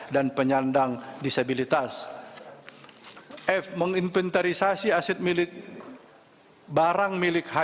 dpd ri sebanyak lima orang